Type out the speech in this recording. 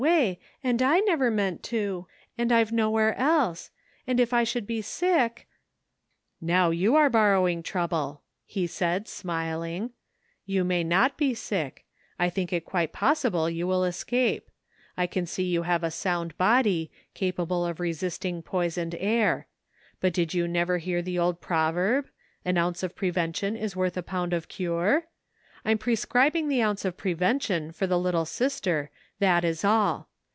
143 away, and I never meant to, and I've nowhere else ; and if I should be sick "— "Now you are borrowing trouble," he said, smiling ; "you may not be sick ; I think it quite possible you will escape ; I can see you have a sound body, capable of resisting poisoned air ; but did you never hear the old proverb, 'An ounce of prevention is worth a })Ound of cure ?' I'm prescribing the ounce of prevention for the little sister, that is all.